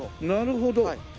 なるほど。